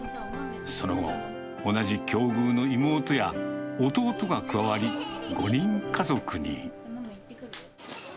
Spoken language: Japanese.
その後、同じ境遇の妹や弟が加わり、５人家族に。